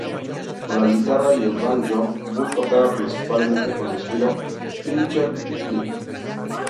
Con la guitarra y el banjo, Bull tocaba principalmente con estilo finger-picking.